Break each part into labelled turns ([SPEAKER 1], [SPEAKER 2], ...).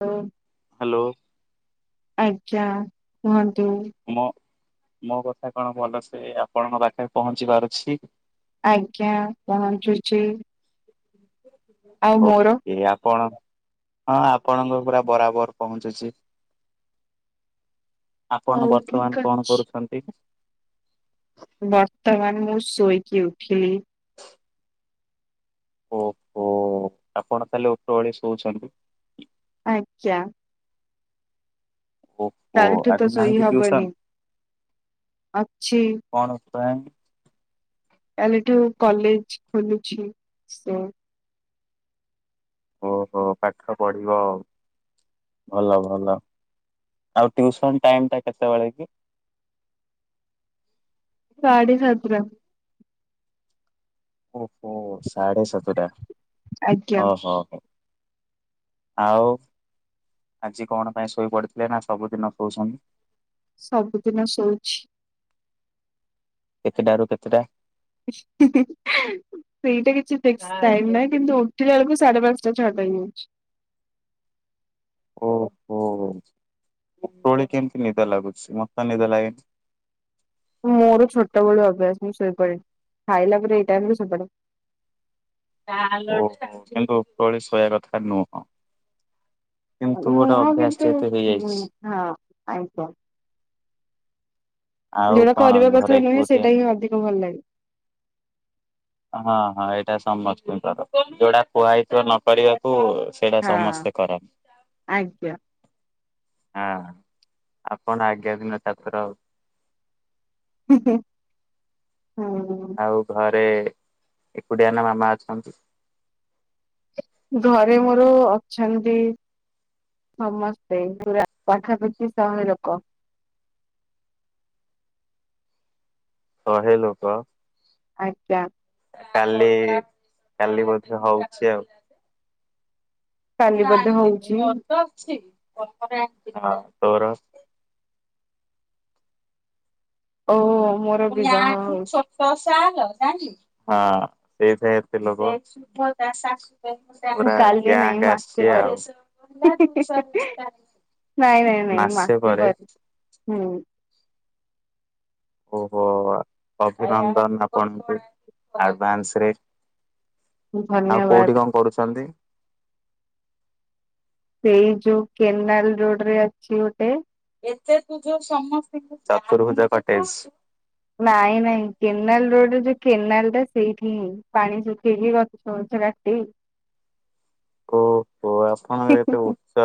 [SPEAKER 1] ହଁ।
[SPEAKER 2] ହାଲୋ।
[SPEAKER 1] ଆଜ୍ଞା କୁହନ୍ତୁ।
[SPEAKER 2] ମୋ-ମୋ କଥା କଣ ଭଲସେ ଆପଣଙ୍କ ପାଖେରେ ପହଞ୍ଚିି ପାରୁଛି?
[SPEAKER 1] ଆଜ୍ଞା ପହଞ୍ଚୁଚି।
[SPEAKER 2] ଓକେ ଆପଣ ହଁ ଆପଣଙ୍କର ପୁରା ବରାବର୍ ପହଞ୍ଚୁଚି। ଆପଣ
[SPEAKER 1] ହଉ
[SPEAKER 2] ବର୍ତ୍ତମାନ୍
[SPEAKER 1] ଠିକ
[SPEAKER 2] କଣ
[SPEAKER 1] ଅଛି
[SPEAKER 2] କରୁଛନ୍ତି?
[SPEAKER 1] ବର୍ତ୍ତମାନ୍ ମୁଁ ଶୋଇକି ଉଠିଲି।
[SPEAKER 2] ଓହୋ ଆପଣ ତାହେଲେ ଉପ୍ରଓଳି ଶୋଉଛନ୍ତି?
[SPEAKER 1] ଆଜ୍ଞା
[SPEAKER 2] ଓହୋ
[SPEAKER 1] କାଲିଠୁ ତ
[SPEAKER 2] ଆଜି ନାହିଁ
[SPEAKER 1] ଶୋଇ
[SPEAKER 2] କି
[SPEAKER 1] ହବନି
[SPEAKER 2] ଟିଉସନ,
[SPEAKER 1] ଅଛି
[SPEAKER 2] କଣ [unintelligible]
[SPEAKER 1] କାଲିଠୁ କଲେଜ ଖୋଲୁଛି। ସେ
[SPEAKER 2] ଓହୋ ପାଠ ପଢିବ ଆଉ। ଭଲ ଭଲ ଆଉ ଟୁସନ ଟାଇମ ଟା କେତେବେଳେ କି?
[SPEAKER 1] ସାଢେ ସାତଟା
[SPEAKER 2] ଓହୋ ସା଼େଢ଼େ ସାତଟା
[SPEAKER 1] ଆଜ୍ଞା
[SPEAKER 2] ହଟା ହ ହ। ଆଉ ଆଜି କଣ ପାଇଁ ଶୋଇପଡିଥିଲେ ନା ସବୁଦିନ ଶୋଇଛନ୍ତି?
[SPEAKER 1] ସବୁଦିନ ଶୋଉଛି।
[SPEAKER 2] କେତେଟା ରୁ କେତେଟା?
[SPEAKER 1] ସେଇଟା କିଛି [unintelligible] କିନ୍ତୁ ଉଠିଲା ବେଳକୁ ସାଢେ ପାଞ୍ଚଟା ଛଅଟା ହେ ଯାଉଛି।
[SPEAKER 2] ଓହୋ ଓପରାବଳି କେମିତି ନିଦ ଲାଗୁଛି ମତେ ନିଦ ଲାଗେନି?
[SPEAKER 1] ମୋର ଛୋଟବେଳୁ ଅଭ୍ୟାସ ମୁଁ ସୋଇପଡ଼େ ଖାଇଲା ପରେ ଏଇ ଟାଇମ ରୁ ସୋଇପଡ଼େ।
[SPEAKER 2] ଓ କିନ୍ତୁ ଉପଳି ଶୋଇବା କଥା ନୁହଁ। କିନ୍ତୁ ଗୋଟେ
[SPEAKER 1] ନୁହଁ
[SPEAKER 2] ଅଭ୍ୟାସ
[SPEAKER 1] କିନ୍ତୁ
[SPEAKER 2] ଯେହେତୁ
[SPEAKER 1] ହଁ
[SPEAKER 2] ହେଇଯାଇଛି
[SPEAKER 1] ହଁ ଆତ
[SPEAKER 2] ଆଉ
[SPEAKER 1] ଯୋଉଟା
[SPEAKER 2] କଣ
[SPEAKER 1] କରିବା
[SPEAKER 2] ଘରେ
[SPEAKER 1] କଥା ନୁହେଁ
[SPEAKER 2] କଉଠି
[SPEAKER 1] ସେଇଟା ହିଁ ଅଧିକ ଭଲ ଲାଗେ।
[SPEAKER 2] ହଁ ହଁ ଏଇଟା ସମସ୍ତଙ୍କର ଯୋଉଟା କୁହାଯଇଥିବ ନ କପାରିବାକୂ ସେଇଟା
[SPEAKER 1] ହଁ
[SPEAKER 2] ସମସ୍ତେ କରନ୍ତି।
[SPEAKER 1] ଆଜ୍ଞା
[SPEAKER 2] ହଁ ଆପଣ ଆଜ୍ଞା ଦିନ ଛାତ୍ର।
[SPEAKER 1] ହଁ
[SPEAKER 2] ଆଉ ଘରେ ଏକୁଦିଆ ନା ମାମା ଅଛନ୍ତି?
[SPEAKER 1] ଘରେ ମୋର ଅଛନ୍ତି ସମସ୍ତେ ପୁରା ପାଖାପାଖୀ ଶହେ ଲୋକ।
[SPEAKER 2] ଶହେ ଲୋକ
[SPEAKER 1] ଆଜ୍ଞ୍ୟା
[SPEAKER 2] କାଲି କାଲି ବୋଧେ ହଉଛି ଆଉ।
[SPEAKER 1] କାଲି ବୋଧେ
[SPEAKER 2] ନାଇଁ
[SPEAKER 1] ହଉଛି।
[SPEAKER 2] ମୁଁ ମର ତ ଅଛି
[SPEAKER 1] ଓ ହୋ ମୋ
[SPEAKER 2] [unintelligible] [unintelligible] ସେଇ [unintelligible] ପୁରା
[SPEAKER 1] ମୁଁ କାଲି ନାଇଁ
[SPEAKER 2] ଗ୍ୟାଙ୍ଗ
[SPEAKER 1] ମାସେ ପରେ।
[SPEAKER 2] ଆସିଛି ଆଉ।
[SPEAKER 1] ନାଇଁ ନାଇଁ ନାଇଁ
[SPEAKER 2] ମାସେ
[SPEAKER 1] [unintelligible]
[SPEAKER 2] ପରେ
[SPEAKER 1] ବରି ହୁଁ
[SPEAKER 2] ଓହୋ ଅଭିନନ୍ଦନ ଆପଣଙ୍କୁ ଆଡଭାନ୍ସ ରେ ଆଉ
[SPEAKER 1] ଧନ୍ୟବାଦ
[SPEAKER 2] କୋଉଠି କଣ କରୁଛନ୍ତି?
[SPEAKER 1] ସେଇ ଯୋଉ କେନାଲ ରୋଡ ରେ ଅଛି ଗୋଟେ
[SPEAKER 2] ଚତୁର୍ଭୁଜ କଟେଜ
[SPEAKER 1] ନାଇଁ ନାଇଁ କେନାଲ ରୋଡରେ ଯୋଉ କେନାଲ ଟା ସେଇଠି ହିଁ ପାଣି ଶୁଖେଇକି ଗଛ ସମଛ କାଟି
[SPEAKER 2] ହ ଓ ଓୋ ଆପଣଙ୍କର ଏତେ ଉଚ୍ଚ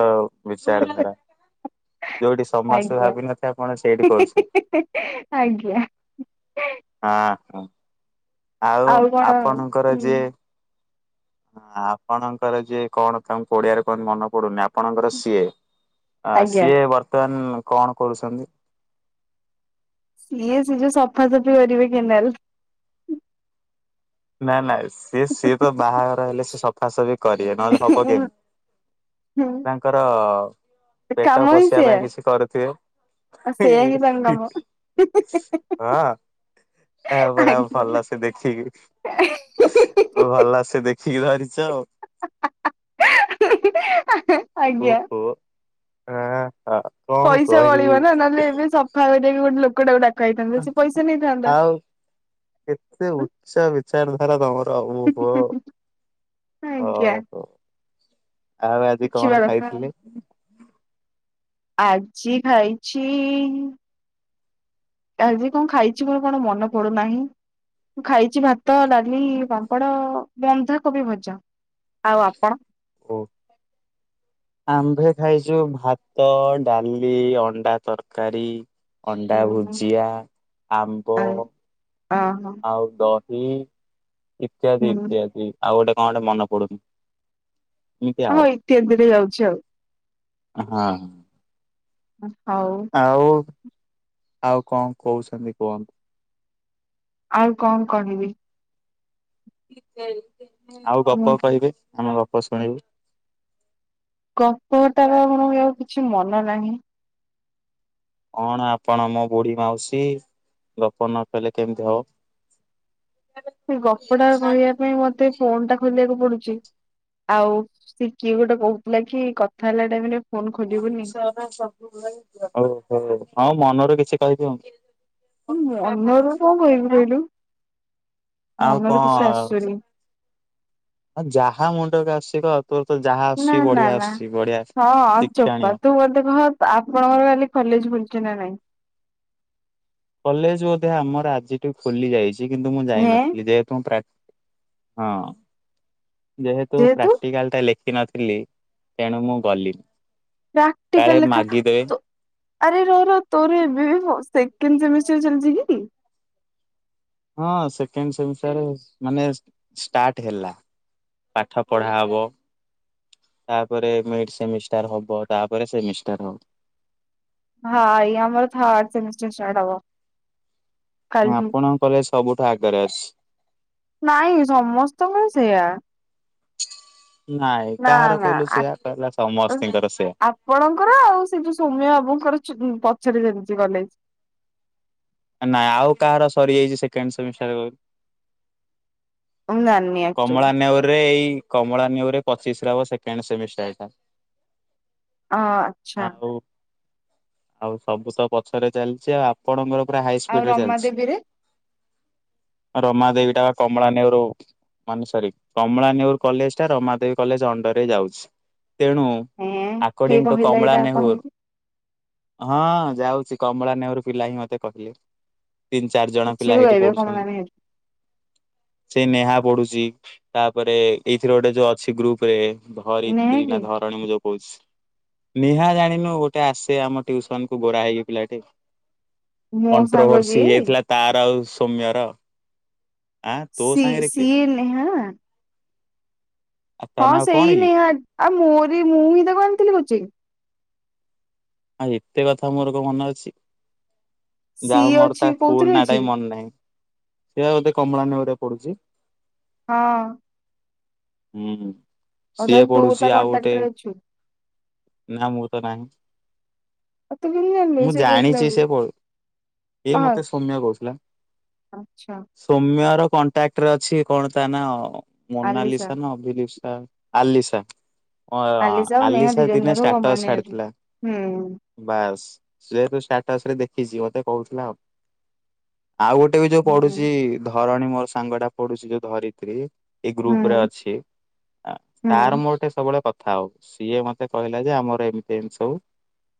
[SPEAKER 2] ବିଚାରଧାରା ଯୋଉଠି ସମାସ
[SPEAKER 1] ଆଜ୍ଞା
[SPEAKER 2] ଭାବିନଥା ଆପଣ ସେଇଠି କରୁଛୁ
[SPEAKER 1] ଆଜ୍ଞା
[SPEAKER 2] ହଁ ହଁ ଆଉ ଆପଣଙ୍କର
[SPEAKER 1] ହୁଁ,
[SPEAKER 2] ଯିଏ ଆପଣଙ୍କର ଯିଏ କଣ ତାଙ୍କୁ ଓଡିଆରେ କହନ୍ତି ମନ ପଡୁନି ଆପଣଙ୍କର ସିଏ ଆ
[SPEAKER 1] ଆଜ୍ଞା
[SPEAKER 2] ସିଏ ବର୍ତ୍ତମାନ କଣ କରୁଛନ୍ତି?
[SPEAKER 1] ସିଏ ସେ ଯୋଉ ସଫାସଫି କରିବେ କେନାଲ।
[SPEAKER 2] ନାଇ [unintelligible] ସି ସିଏ ତ ବାହାଘର ହେଲେ ସି ସଫାସଫି କରିବେ ନହେଲେ ହବ କେମିତି? ତାଙ୍କର ପେଟ
[SPEAKER 1] କାମ ହିଁ
[SPEAKER 2] ପୋଷିବା
[SPEAKER 1] ସେୟା
[SPEAKER 2] ପାଇଁ କିଛି କରିଥିବେ?
[SPEAKER 1] ଆଉ ସେୟା ହିଁ ତାଙ୍କ କାମ
[SPEAKER 2] ହଁ ଏହାପରେ ଆଉ
[SPEAKER 1] ଆଜ୍ଞା
[SPEAKER 2] ଭଲ ସେ ଦେଖିକି ଭଲ ସେ ଦେଖିକି ଧରିଛ ଆଉ।
[SPEAKER 1] ଆଜ୍ଞା
[SPEAKER 2] ଓହୋ ହ ହ।
[SPEAKER 1] ପଇସା ବଳିବ ନା ନହେଲେ ଏବେ ସଫା କରିବା ଗୋଟେ ଲୋକଟାକୁ ଡାକ ହେଇଥାନ୍ତା ସେ ପଇସା ନେଇଥାନ୍ତା।
[SPEAKER 2] ଆଉ କେତେ ଉଚ୍ଚ ବିଚାରଧାରା ତମର ଓହୋ।
[SPEAKER 1] ଁ ଆଜ୍ଞା।
[SPEAKER 2] ଆଉ ଆଜି
[SPEAKER 1] ଦେଖିବା
[SPEAKER 2] କଣ
[SPEAKER 1] କଥା
[SPEAKER 2] ଖାଇଥିଲି?
[SPEAKER 1] ଆଜି ଖାାଇଛି। ଆଜି କଣ ଖାଇଛି ମୋର କଣ ମନେ ପଡୁନାହିଁ ମୁଁ ଖାଇଛି ଭାତ। ତ ଲଡାଲି ବାଙ୍କଡ ବନ୍ଧାକୋବି ଭଜ ଆଉ ଆପଣ।
[SPEAKER 2] ଓ ଆମ୍ଭେ ଖାଇଛୁ ଭାତ ଡାଲି ଅଣ୍ଡା ତରକାରୀ ଅଣ୍ଡା
[SPEAKER 1] ହୁଁ ହୁଁ
[SPEAKER 2] ଭୁଜିଆ ଆମ୍ବ।
[SPEAKER 1] ଓ ହୋ।
[SPEAKER 2] ଆଉ ଦହି ଇତ୍ୟାଦି
[SPEAKER 1] ହୁଁ
[SPEAKER 2] ଇତ୍ୟାଦି ଆଉ ଗୋଟେ କଣ ଗୋଟେ ମନେ ପଡୁନ।
[SPEAKER 1] ହଁ ଇତ୍ୟାଦିରେ ଯାଉଛି ଆଉ।
[SPEAKER 2] ହଁ।
[SPEAKER 1] ହଉ।
[SPEAKER 2] ଆଉ ଆଉ କଣ କହୁଛନ୍ତି କୁହନ୍ତୁ।
[SPEAKER 1] ଆଉ କଣ କରହିବି?
[SPEAKER 2] ଆଉ
[SPEAKER 1] ମୁଁ
[SPEAKER 2] ଗପ କହିବେ ଆମେ ଗପ ଶୁଣିବୁ।
[SPEAKER 1] ଗପଟାର ଆଣଉ କିଛି ମନ ନାହିଁ।
[SPEAKER 2] କଣ ଆପଣ ମୋ ବୁଢୀ ମାଉସୀ ଗପ ନ କଲେ କେମିତି ହବ।
[SPEAKER 1] ସେ ଗପ ଟା କହିବା ପାଇଁ ମତେ ଫୋନ୍ ଟା ଖୋଲିବାକୁ ପଡୁଛି। ଆଉ ସ କିଏ ଗୋଟେ କହୁଥିଲା କି କଥା ହେଲା ଟାଇମରେ। ଫୋନ
[SPEAKER 2] [unintelligible]
[SPEAKER 1] ଖୋଲିବୁନି।
[SPEAKER 2] ଓହୋ ଆଉ ମନ ର କିଛି କହିଦିଅ।
[SPEAKER 1] ହଁ ଅନ୍ୟ ଦ କକ କିଲୁ।
[SPEAKER 2] ଆଉ କଣ?
[SPEAKER 1] ଆସୁନି।
[SPEAKER 2] ଯାହା ମୁଣ୍ଡକ ଆସ କ ତୋର ତ ଯାହା
[SPEAKER 1] ନା
[SPEAKER 2] ଆସୁି
[SPEAKER 1] ନା
[SPEAKER 2] ବଢିଆ
[SPEAKER 1] ନା
[SPEAKER 2] ଆସୁଛି ବଢିଆସ।
[SPEAKER 1] ହଁ ଚୋପା ତୁ ବୋତେ କହ ଆପଣଙ୍କର କାଲି କଲେଜ ଖୁଲଛ ନା ନାଇଁ।
[SPEAKER 2] କଲେଜ ବୋଧେ ଆମର ଆଜିଠୁ ଖୋଲି ଯାଇଛି କିନ୍ତୁ ମୁଁ
[SPEAKER 1] ହେଁ
[SPEAKER 2] ଯାଇନଥିଲି ଯେହତୁ ହଁ ଯେହେତୁ ପ୍ରାକ୍ଟିକାଲ ଟା ଲେଖିନଥିଲି। ତେଣୁ ମୁଁ ଗଲି।
[SPEAKER 1] ପ୍ରାକ୍ଟିକଲ ଲେଖା ତ ଆରେ ରହନ ତୋର ଏବେ ସେକଣ୍ଡ ସେମିଷ୍ଟର ଚାଲିଛି କି?
[SPEAKER 2] ହଁ ସେେଣ୍ଡ ମାନେ ଷ୍ଟଟ ହେଲା। ପାଠ ପଢା ହବ। ତାପରେ ମି ସେମିଷ୍ଟାର ହବ ତାପରେ ସେମିଷ୍ଟାର ହବ।
[SPEAKER 1] ହଁ ଇ ଆମର ଥମଷ୍ଟରାର୍ ହବ। କାଲିଠୁ
[SPEAKER 2] ଆପଣଙ୍କ କଲେଜ ସବୁଠୁ ଆଗରେ ଅଛି।
[SPEAKER 1] ନାଇଁ ସମସ୍ତଙ୍କର ସେୟା।
[SPEAKER 2] ନାଇଁ
[SPEAKER 1] ନା
[SPEAKER 2] କାହାର
[SPEAKER 1] ନା
[SPEAKER 2] କହିଲୁ ସେଆା କହିଲା ସମସ୍ତିଙ୍କର ସେୟା।
[SPEAKER 1] ଆପଣଙ୍କର ଆଉ ସେ ଯୋଉ ସୌମୟ ବାବୁଙ୍କର ପଛରେ ଯେମିତି ଗଲେ
[SPEAKER 2] ନାଇଁ ଆଉ କାହାର ସରିଯାଇଛି ସେକେଣ୍ଡ ସେମିଷ୍ଟାର।
[SPEAKER 1] [unintelligible]
[SPEAKER 2] କମଳା ନେର ରେ ଏଇ କମଳା ନେଉରେ ପଚିଶ ରବ ସେକେଣ୍ଡ ସେମିଷ୍ଟଟା।
[SPEAKER 1] ଅ ଆଚ୍ଛା
[SPEAKER 2] ଆଉ ଆଉ ସବୁ ତ ପଛରେ ଚାଲିଛି ଆଉ। ପଡଙ୍ଗର ପୁରା ହାଇ
[SPEAKER 1] ଆଉ
[SPEAKER 2] ସ୍ପିଡ ରେ
[SPEAKER 1] ରମା
[SPEAKER 2] ଚାଲିଛି।
[SPEAKER 1] ଦେବୀରେ?
[SPEAKER 2] ରମା ଦେବୀ ଟା ବା କମଳାନେରୁ ମାନେ ସରି କମଳାାନେର କଲେଜ ଟା ରମାଦେବୀ କଲେଜ ଅଣ୍ଡର ଯାଉଛି ତେଣୁ।
[SPEAKER 1] ହେଁ କିଏ
[SPEAKER 2] ଆକୋର୍ଡିଂ ଟୁ
[SPEAKER 1] କହିଲା
[SPEAKER 2] କମଳା
[SPEAKER 1] ଏଇଟା
[SPEAKER 2] ନେହୁର
[SPEAKER 1] ଆପଣଙ୍କୁ
[SPEAKER 2] ହଁ ଯାଉଛି କମଳା ନେହେରୁ ପିଲା ହିଁ ମତେ କହିଲେ। ତିନି ଚାରି ଜଣ
[SPEAKER 1] କିଛି
[SPEAKER 2] ପିଲା
[SPEAKER 1] ବି
[SPEAKER 2] ହେଇଠି
[SPEAKER 1] କହିବେ କମଳା
[SPEAKER 2] ପଢୁଛନ୍ତି।
[SPEAKER 1] ନେହେରୁ।
[SPEAKER 2] ସେ ନେହା ପଢୁଛି ତାପରେ ଏଇଥିରେ ଗୋଟେ ଯୋଉ ଅଛି ଗ୍ରୁପ ରେ
[SPEAKER 1] ନୁହେଁ
[SPEAKER 2] ଧରିତ୍ରୀ
[SPEAKER 1] କି
[SPEAKER 2] ନା ଧରଣୀ ମୁଁ ଯୋଉ କହୁଛି ନିହା ଜାଣିନୁ ଗୋଟେ ଆସେ ଆମ ଟିୁସନ କୁ ଗୋରା ହେଇକି ପିଲାଟିେ
[SPEAKER 1] ମୋ ସାଙ୍ଗ
[SPEAKER 2] କଣ୍ଟ୍ରୋଭର୍ସି
[SPEAKER 1] ଯିଏ
[SPEAKER 2] ହେଇଯାଇଥିଲା ତାର ଆଉ ସୌମ୍ୟର ଆଁ ତୋ
[SPEAKER 1] ସି
[SPEAKER 2] ସାଙ୍ଗରେ କିଏ
[SPEAKER 1] ସିଏଲେ ହଁ
[SPEAKER 2] ଆଉ ତା
[SPEAKER 1] ହଁ
[SPEAKER 2] ନାଁ କଣ
[SPEAKER 1] ସେଇ
[SPEAKER 2] କି
[SPEAKER 1] ନିହା ଆଉ ମୋରି ମୁଁ ହିଁ ତାକୁ ଆଣିଥିଲି କହୁଚ
[SPEAKER 2] ଆଁ ଏତେ କଥା ମୋର କ ମନେ ଅଛି ଯାହାଉ
[SPEAKER 1] ସିଏ
[SPEAKER 2] ମୋର ତା
[SPEAKER 1] ଅଛି
[SPEAKER 2] ଫୁଲ
[SPEAKER 1] କୋଉଥିରେ
[SPEAKER 2] ନାଟା
[SPEAKER 1] ଅଛି
[SPEAKER 2] ହ ମନେ ନାହିଁ ସେିଉ ଏୋଧେ କମଳା ନଆ ପଡୁଛି
[SPEAKER 1] ହଁ
[SPEAKER 2] ହୁଁ
[SPEAKER 1] ଆଉ
[SPEAKER 2] ସିଏ
[SPEAKER 1] ତାହେଲେ ତୁ ତା
[SPEAKER 2] ପଢୁଛି ଆଉ ଗୋଟେ
[SPEAKER 1] କଣ୍ଟାକ୍ଟରେ ଅଛୁ।
[SPEAKER 2] ନା ମୁଁ ତ ନାହିଁ
[SPEAKER 1] ବି
[SPEAKER 2] ମୁଁ ଜାଣିଛି ସେ ଏ ମତେ ସୌମ୍ୟ କହୁଥିଲା
[SPEAKER 1] ଆଚଛା
[SPEAKER 2] ସୌମ୍ୟ ର କଣ୍ଟାକ୍ଟରେ ଅଛି କଣ ତା ନା ମୋନାଲି
[SPEAKER 1] ଆଲିସା
[SPEAKER 2] ସ ନା ଅଭିଲିପ ସା ଆଲିସା
[SPEAKER 1] ଆଉ ନେହା ଦି
[SPEAKER 2] ଆଲିସା
[SPEAKER 1] ଜଣ
[SPEAKER 2] ଦିନେ
[SPEAKER 1] ଯାକ
[SPEAKER 2] ଷ୍ଟାଟର
[SPEAKER 1] ଗମଳାନେହେରୁ।
[SPEAKER 2] ଛାଡିଥିଲା
[SPEAKER 1] ହୁଁ
[SPEAKER 2] ବାସ୍ ସେେତୁ ଷ୍ଟାଟସ ରେ ଦେଖିଛି ମତେ କହୁଥିଲା ଆଉ ଆଉ ଗୋଟେ ବି ଯୋଉ
[SPEAKER 1] ହୁଁ
[SPEAKER 2] ପଡୁଛି ଧରଣୀ ମୋର ସାଙ୍ଗ ଟା ପଡୁଛି ଯୋଉ ଧରି ଏଇ ଗ୍ରୁପ ରେ
[SPEAKER 1] ହୁଁ
[SPEAKER 2] ଅଛି
[SPEAKER 1] ହୁଁ।
[SPEAKER 2] ତାର ମୋ ଗଟେ ସବୁବେଳେ କଥା ଥାଉ ସିଏ ମତେ କହିଲା ଯେ ଆମର ଏମିତି ଏମିଷୁ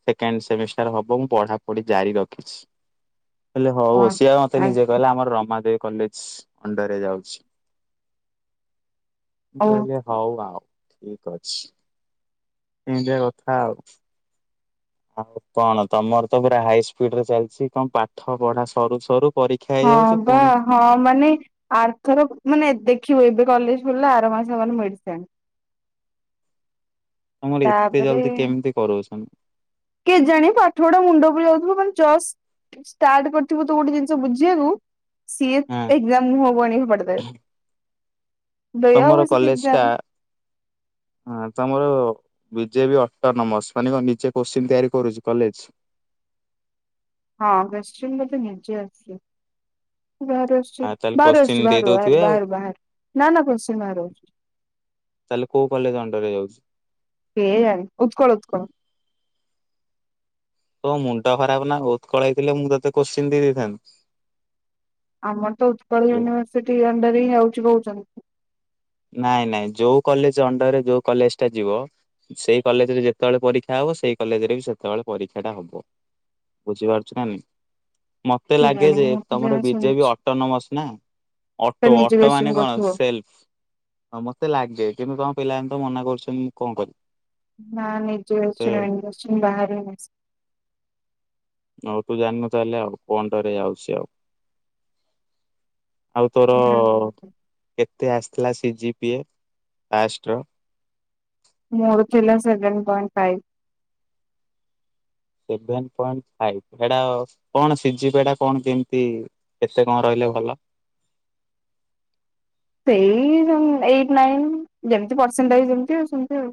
[SPEAKER 2] ସେକେଣ୍ଡ ସେମିଷ୍ଟାର ହବ ମୁ ପଢାପଢି ଜାରି ରଖିଛି ହେଲେ ହଉ ସିେ ମତେ ନିଜେ କହିଲେ ଆମର ରମାଦେବୀ କଲେଜ ଅଣ୍ଡରରେ ଯାଉଛି
[SPEAKER 1] ଓ
[SPEAKER 2] ବହିଲେ ହଉ ଆଉ ଠିକ ଅଛି ଏମତିଆ କଥା ଆଉ ଆଉ କଣ ତମର ତ ପୁରା ହାଇ ସ୍ପିଡ ରେ ଚାଲିଛି କଣ ପାଠ ପଢା ସରୁ ସରୁ ପରୀକ୍ଷା
[SPEAKER 1] ହଁ
[SPEAKER 2] ହେଇଯାଉଛି
[SPEAKER 1] ବା
[SPEAKER 2] ପୁଣି
[SPEAKER 1] ହଁ ମାନେ ଆର୍ଥର ମାନେ ଦେଖିବୁ ଏବେ କଲେଜ ପଡିଲେ ଆର ମାସ ହେ ମେଡିସନ୍
[SPEAKER 2] ତମର ଏତେ ଜଲ୍ଦି
[SPEAKER 1] ତାପରେ
[SPEAKER 2] କେମିତି କରାଉଛନ୍ତିନ
[SPEAKER 1] କେଜାଣି ପାଠ ଗୁଡା ମୁଣ୍ଡ ପ ଯାଉଥିବ ମାନେ ଚ ଷ୍ଟାର୍ଟ କରିଥିବୁ ତୁ ଗୋଟେ ଜିନିଷ ବୁଝିବାକୁ ସିଏ
[SPEAKER 2] ହୁଁ
[SPEAKER 1] ଏଜାମ ମୁ ହବଣ ପଡଥା ଦୟା
[SPEAKER 2] ତମର
[SPEAKER 1] ହଉଛି କି
[SPEAKER 2] କଲେଜ ଟା
[SPEAKER 1] ଏଜାମ
[SPEAKER 2] ହଁ ତମର ବିଜେ ବି ଅଟର ନମର୍ସ ମାନେ କ ନିଜେ କୋଶ୍ଚିନ୍ ତିଆରି କରୁଛି କଲେଜ
[SPEAKER 1] ହଁ ବେଷ୍ଟ୍ର ମ ନିଜ ଆଛି ବାହାରାରୁ ଅଛି
[SPEAKER 2] ଆଉ ତାହେଲେ କୋଶ୍ଚିନ୍ ଦେଇ
[SPEAKER 1] ବାହାର ବାହହାର
[SPEAKER 2] ଦଉଥିବେ ଆଉ
[SPEAKER 1] ବାହାର ବାହାର ନାାନ କୋଶନ ବାହାର ଅଛି
[SPEAKER 2] ତାହେଲେ କୋଉ କଲେଜ ଅଣ୍ଡରେ ଯାଉଛି
[SPEAKER 1] ହଆାରି ଉତ୍କଳ ଉକଳ
[SPEAKER 2] ତୋ ମୁଣ୍ଡ ଖରାପ ନା ଉତ୍କଳ ହେଇଥିଲେ ମୁଁ ତତେ କୋଶ୍ଚିନ୍ ଦେଇଥାନ୍ତନ୍ତି
[SPEAKER 1] ଆମର ତ ଉତ୍କଳ ୟୁନିଭର୍ସିଟି ଅଣ୍ଡର ହିଁ ଯାଉଛି କହୁଛନ୍ତି
[SPEAKER 2] ନାଇଁ ନାଇଁ ଯୋଉ କଲେଜ ଅଣ୍ଡରରେ ଯୋଉ କଲେଜ ଟା ଯିବ ସେଇ କଲେଜ ରେ ଯେତେବେଳେ ପରୀକ୍ଷା ହବ ସେଇ କଲେଜ ରେ ବି ସେତେବେଳେ ପରୀକ୍ଷା ଟା ହବ ବୁଝି ପାରୁଛୁଁ ମତେ ଲାଗେ
[SPEAKER 1] କେଜାଣି
[SPEAKER 2] ଯେ
[SPEAKER 1] ମୁଁ ତ
[SPEAKER 2] ତମର
[SPEAKER 1] ଯାହା
[SPEAKER 2] ବିଜେ ବି
[SPEAKER 1] ଶୁଣିଛି
[SPEAKER 2] ଅଟୋନୋମସ ନା
[SPEAKER 1] ତ
[SPEAKER 2] ଅଟୋ
[SPEAKER 1] ନିଜେ
[SPEAKER 2] ଅଟୋ
[SPEAKER 1] କୋଶ୍ଚିନ୍
[SPEAKER 2] ମାନେ କଣ
[SPEAKER 1] କରୁଥିବ
[SPEAKER 2] ସେଲ୍ ହଁ ମତେ ଲାଗେ କିନ୍ତୁ ତମ ପିଲାମାନେ ତ ମନା କରୁଛନ୍ତି ମୁଁ କଣ କଲିି
[SPEAKER 1] ନା ନଜ ଅଛିସ ବାହାରି ନାଇ
[SPEAKER 2] ହଉ ତୁ ଜାଣିନୁ ତାହେଲେ ଆଉ କଣ ଟରେ ଆାଉଛି ଆଉ ଆଉ ତୋର କେତେ ଆସିଥିଲା ସିଜି ପିଷ୍ଟ ର
[SPEAKER 1] ମୋର ଥିଲା seven point five.
[SPEAKER 2] Seven point five ଏଟା କଣ ସିଝିବ ଏଟା କଣ କେମିତି? କେତେ କଣ ରହିଲେ ଭଲ?
[SPEAKER 1] ସେଇ ଏଇଟ ନାଇନ ଯେମତି ପରସେଣ୍ଟଇଜ ଜେମିତି ସେମିତି ଆଉ।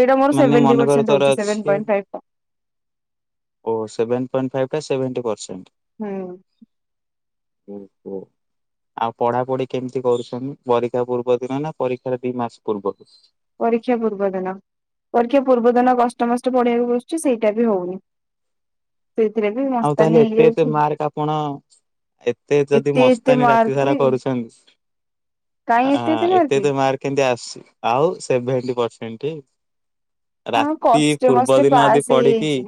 [SPEAKER 1] ଏଇଟା ମୋର
[SPEAKER 2] ମାନେ
[SPEAKER 1] ସେଭେଟି
[SPEAKER 2] ମନେକର
[SPEAKER 1] ପରସଣ୍ଟ
[SPEAKER 2] ତୋର
[SPEAKER 1] ହଉଛି ସେଭନ
[SPEAKER 2] ଅଛି
[SPEAKER 1] ପଏଣ୍ଟ ଫାଇଭ।
[SPEAKER 2] ଓ ସେଭେନ ପଏଣ୍ଟ ଫାଇଭ ଟା ସେଭେଣ୍ଟୀ ପର୍ଷେଣ୍ଟ।
[SPEAKER 1] ହୁଁ।
[SPEAKER 2] ହୁଁ କୁହନ୍ତୁ? ଆଉ ପଢା ପଢି କେମିତି କରୁଛନ୍ତି ପରୀକ୍ଷା ପୂର୍ବ ଦିନ ନା ପରୀକ୍ଷାରେ ଦି ମାସ ପୂର୍ବରୁ?
[SPEAKER 1] ପରୀକ୍ଷା ପୂର୍ବଦିନ। ପରୀକ୍ଷା ପୂର୍ବ ଦିନ କଷ୍ଟମଷ୍ଟ ପଢେଇିବାକୁ ବସୁଛି ସେଇଟା ବି ହଉନି। ସେଇଥିରେ ବି
[SPEAKER 2] ଆଉ
[SPEAKER 1] ମସ୍ତାନୀ
[SPEAKER 2] ତାହେଲେ ଏତେ ଏତେ
[SPEAKER 1] ହେଇଯାଉଛି।
[SPEAKER 2] ମାର୍କ ଆପଣ ଏତେ ଯଦି
[SPEAKER 1] ଏତେ
[SPEAKER 2] ମସ୍ତାନୀ
[SPEAKER 1] ମାର୍କ
[SPEAKER 2] ରାତି
[SPEAKER 1] କି
[SPEAKER 2] ସାରା କରୁଛନ୍ତି ଆ ଏତେ ତ ମାର୍କ କେମତି ଆସିଛି ଆଉ ସେଭେଣ୍ଟି ପରସେଣ୍ଟ।
[SPEAKER 1] ହଁ
[SPEAKER 2] ରାତି
[SPEAKER 1] କଷ୍ଟେ
[SPEAKER 2] ପୂର୍ବ
[SPEAKER 1] ମଷ୍ଟେ
[SPEAKER 2] ଦିନ
[SPEAKER 1] ପାସ୍
[SPEAKER 2] ଯଦି ପଡିକି
[SPEAKER 1] ହେଇଯାଇଛି।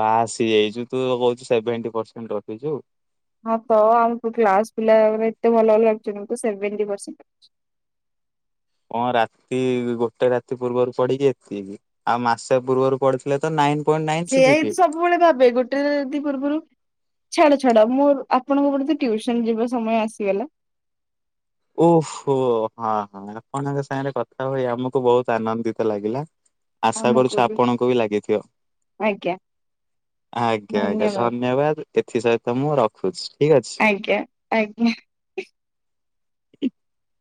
[SPEAKER 2] ପାସ୍ ହେଇଯାଇଛୁ ତୁ କହୁଛୁ ସେଭେଣ୍ଟି ପରସେଣ୍ଟ ରଖିଛୁ।
[SPEAKER 1] ହଁ ତ ଆମ କ୍ଲାସ ପିଲା ଏତେ ଭଲ ଭଲ ରଖିଛନ୍ତି, ମୁ ତ ସେଭେଣ୍ଟୀ ପର୍ସେଣ୍ଟ ରଖିଛି।
[SPEAKER 2] କଣ ରାତି ଗୋଟେ ରାତି ପୂର୍ବରୁ ପଡିିକି ଏତିକି ଆଉ ମାସେ ପୂର୍ବରୁ ପଡି ତ ନାଇନ ପଏଣ୍ଟ ନାଇନ ସି
[SPEAKER 1] ସେଇଆ ହିଁ
[SPEAKER 2] ଜିପି।
[SPEAKER 1] ସବୁବେଳେ ଭାବେ ଗୋଟେ ରାତି ପୂର୍ବରୁ ଛାଡ ଛାଡ ମୋର ଆପଣଙ୍କ ଗଟ ତ ଟଟିୁସନ ଯିବା ସମୟ ଆସିଗଲା।
[SPEAKER 2] ଓହୋ ହଁ ହଁ ଆପଣଙ୍କ ସାଙ୍ଗରେ କଥା ହୋଇ ଆମକୁ ବହୁତ ଆନନ୍ଦିତ ଲାଗିଲା। ଆଶା କରୁଛୁ ଆପଣଙ୍କୁ ବି ଲାଗିଥିବ।
[SPEAKER 1] ଆଜ୍ଞା
[SPEAKER 2] ଆଜ୍ଞା ଆଜ୍ଞା ଧନ୍ୟବାଦ ଏଥି ସହିତ ମୁଁ ରଖୁଛି ଠିକ ଅଛି।
[SPEAKER 1] ଆଜ୍ଞା। ଆଜ୍ଞା।
[SPEAKER 2] [inaudible]